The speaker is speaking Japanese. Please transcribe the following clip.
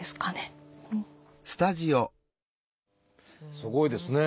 すごいです！